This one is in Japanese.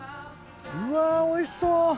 うわぁおいしそう！